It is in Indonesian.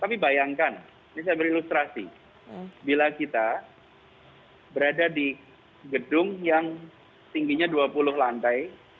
tapi bayangkan ini saya berilustrasi bila kita berada di gedung yang tingginya dua puluh lantai